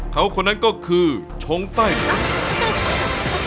เขาคนนั้นก็คือชงไต้